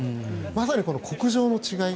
まさに国情の違い